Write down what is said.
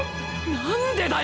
何でだよ！